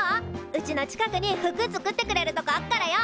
うちの近くに服作ってくれるとこあっからよ。